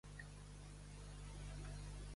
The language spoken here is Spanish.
It's coming.